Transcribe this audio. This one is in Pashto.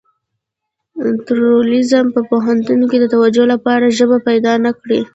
تروريزم په پوهنتون کې د توجيه لپاره ژبه پيدا نه کړي.